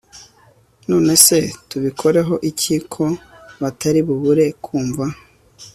None se tubikoreho iki ko batari bubure kumva